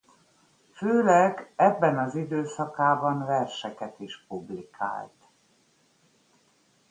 Főleg ebben az időszakában verseket is publikált.